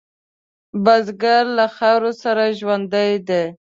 بزګر له خاورو سره ژوندی دی